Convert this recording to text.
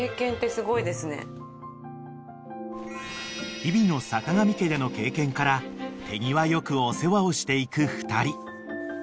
［日々のさかがみ家での経験から手際良くお世話をしていく２人］